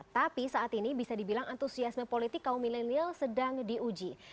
tapi saat ini bisa dibilang antusiasme politik kaum milenial sedang diuji